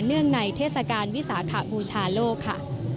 เนื่องในเทศกาลวิสาขบูชาโลกค่ะ